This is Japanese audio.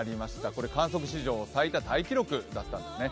これ、観測史上最多タイ記録だったんですね。